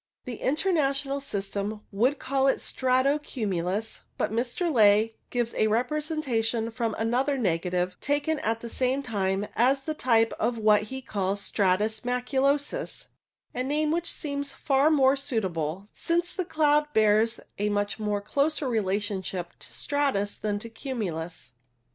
The International system would call it strato cumulus, but Mr. Ley gives a representation from another negative taken at the same time as the type of what he calls stratus maculosus, a name which seems far more suitable, since the cloud bears a much closer relation to stratus than to cumulus.